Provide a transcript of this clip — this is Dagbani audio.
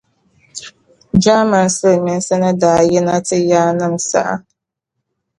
Jaamani Siliminsi ni daa yina ti yaanim saha.